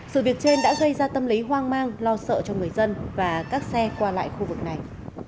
sự việc trên đã gây ra tâm lý hoang mang lo sợ cho người dân và các xe qua lại khu vực này